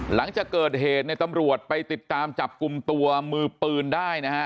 หลังจากเกิดเหตุในตำรวจไปติดตามจับกลุ่มตัวมือปืนได้นะฮะ